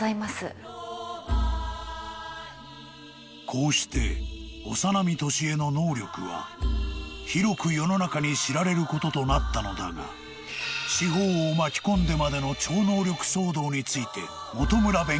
［こうして長南年恵の能力は広く世の中に知られることとなったのだが司法を巻き込んでまでの超能力騒動について本村弁護士は］